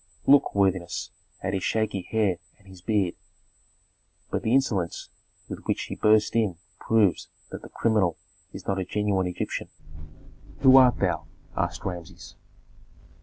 Look, worthiness, at his shaggy hair and his beard. But the insolence with which he burst in proves that the criminal is not a genuine Egyptian." "Who art thou?" asked Rameses.